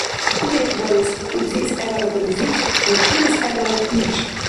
Кумекбарес. Узис гӀеларад рузи, уршилис гӀеларад неш…